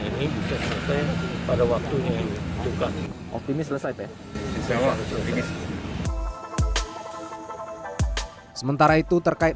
ini bisa selesai pada waktunya ini tukang optimis selesai teh seorang optimis sementara itu terkait